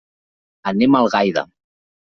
Anem a Algaida.